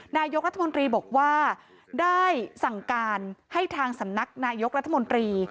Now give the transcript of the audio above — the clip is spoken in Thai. นายกรัฐมนตรีบอกว่าได้สั่งการให้ทางสำนักนายกรัฐมนตรี